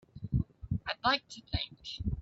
I'd like to think.